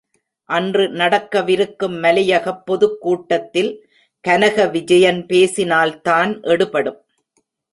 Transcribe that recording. அன்று நடக்கவிருக்கும் மலையகப் பொதுக் கூட்டத்தில் கனக விஜயன் பேசினால் தான் எடுபடும்.